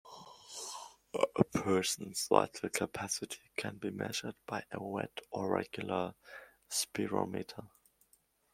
A person's vital capacity can be measured by a wet or regular spirometer.